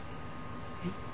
えっ？